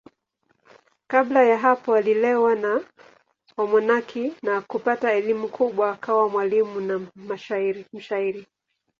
Kabla ya hapo alilelewa na wamonaki na kupata elimu kubwa akawa mwalimu na mshairi.